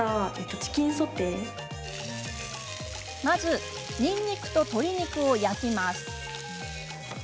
まず、にんにくと鶏肉を焼きます。